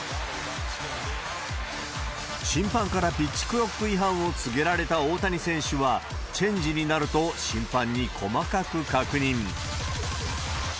審判からピッチクロック違反を告げられた大谷選手は、チェンジになると、審判に細かく確認。